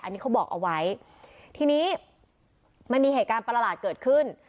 อันนี้เขาบอกเอาไว้ทีนี้มันมีเหตุการณ์ประหลาดเกิดขึ้น